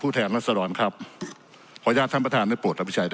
ผู้แทนลักษรรณครับขออนุญาตท่านประธานไม่ปวดครับวิชัย